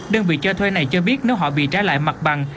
đơn vị cho thuê này cho biết nếu họ bị trả lại mặt bằng